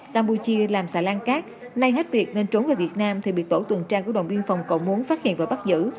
campuchia làm xà lan cát nay hết việc nên trốn về việt nam thì bị tổ tuần tra của đồn biên phòng cậu muốn phát hiện và bắt giữ